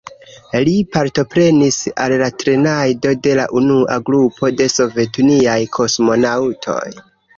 Li partoprenis al la trejnado de la unua grupo de sovetuniaj kosmonaŭtoj.